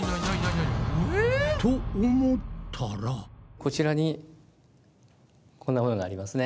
こちらにこんなものがありますね。